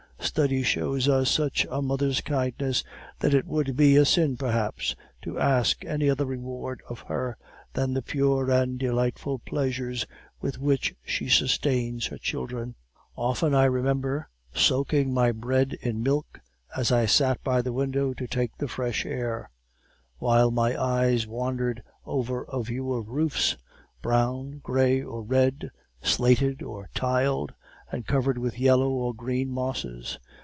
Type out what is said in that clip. study shows us such a mother's kindness that it would be a sin perhaps to ask any other reward of her than the pure and delightful pleasures with which she sustains her children. "Often I remember soaking my bread in milk, as I sat by the window to take the fresh air; while my eyes wandered over a view of roofs brown, gray, or red, slated or tiled, and covered with yellow or green mosses.